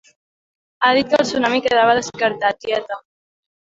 Ha dit que el tsunami quedava descartat, tieta!